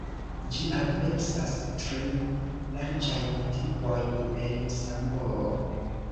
Ĝi ampleksas tri larĝajn tipojn en Samoo.